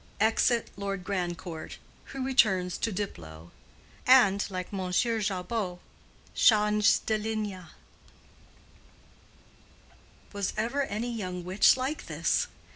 Exit Lord Grandcourt, who returns to Diplow, and, like M. Jabot, change de linge." Was ever any young witch like this?